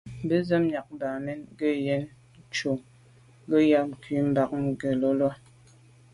Mbə́zə́ myɑ̂k Bamen gə̀ yə́ ncʉ̂ gə̀ yá cú mbā ndə̂gə́lô.